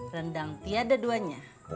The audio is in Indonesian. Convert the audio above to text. rendang tiada duanya